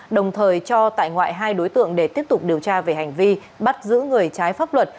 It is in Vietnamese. đồng thời cho tại ngoại hai đối tượng để tiếp tục điều tra về hành vi bắt giữ người trái pháp luật